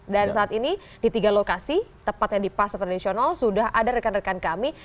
dan saat ini di tiga lokasi tepatnya di pasar tradisional sudah ada rekan rekan kami